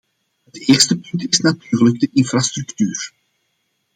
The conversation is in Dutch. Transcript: Het eerste punt is natuurlijk de infrastructuur.